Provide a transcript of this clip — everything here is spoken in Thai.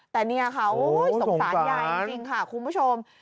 แต่นี่ค่ะโอ้ยสงสารยายจริงค่ะคุณผู้ชม